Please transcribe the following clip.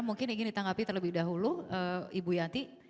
mungkin ingin ditanggapi terlebih dahulu ibu yanti